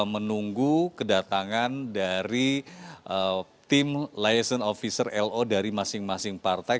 menunggu kedatangan dari tim liaison officer lo dari masing masing partai